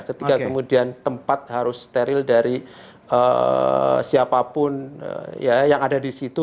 ketika kemudian tempat harus steril dari siapapun yang ada di situ